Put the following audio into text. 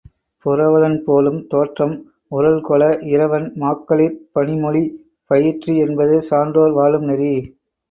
புரவலன் போலும் தோற்றம் உறழ்கொள இரவன் மாக்களிற் பணிமொழி பயிற்றி என்பது சான்றோர் வாழும் நெறி.